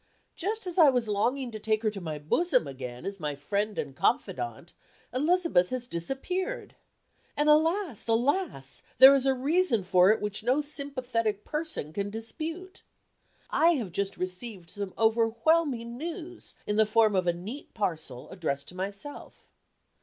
Just as I was longing to take her to my bosom again as my friend and confidante, Elizabeth has disappeared. And, alas! alas! there is a reason for it which no sympathetic person can dispute. I have just received some overwhelming news, in the form of a neat parcel, addressed to myself.